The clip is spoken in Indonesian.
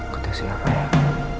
kau tak sih yang baik